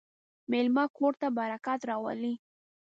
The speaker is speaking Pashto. مېلمه کور ته برکت راولي.